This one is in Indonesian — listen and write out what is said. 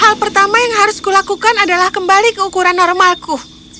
hal pertama yang harus kulakukan adalah kembali ke ukuran normalku